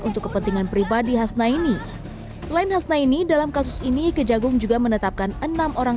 untuk kepentingan pribadi hasnaini selain hasnaini dalam kasus ini kejagung juga menetapkan enam orang